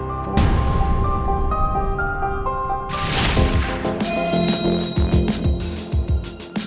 nama raymond itu